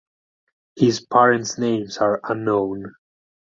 His parents names are unknown.